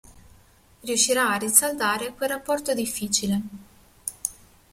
Riuscirà a rinsaldare quel rapporto difficile.